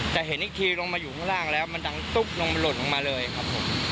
แต่เห็นอีกทีลงมาอยู่ข้างล่างแล้วมันดังตุ๊บลงมันหล่นลงมาเลยครับผม